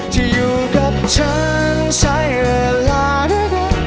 ที่อยู่กับฉันใช้เวลาด้วยกัน